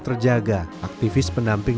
terjaga aktivis penamping